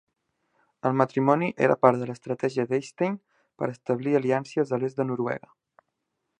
El matrimoni era part de l'estratègia d'Eystein per establir aliances a l'est de Noruega.